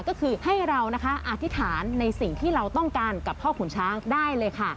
ก็คือให้เรานะคะอธิษฐานในสิ่งที่เราต้องการกับพ่อขุนช้างได้เลยค่ะ